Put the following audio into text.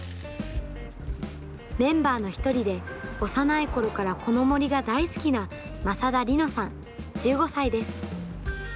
メンバーの１人で幼いころから、この森が大好きな政田莉乃さん、１５歳です。